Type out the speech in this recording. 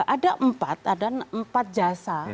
ada empat ada empat jasa